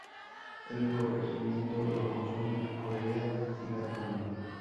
El corregimiento lo conforman Correa y La Colonia.